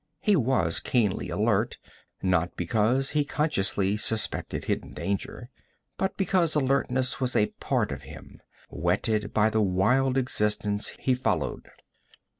He was keenly alert, not because he consciously suspected hidden danger, but because alertness was a part of him, whetted by the wild existence he followed.